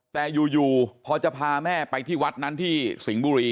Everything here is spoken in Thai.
แต่อยู่พอจะพาแม่ไปที่วัดนั้นที่สิงห์บุรี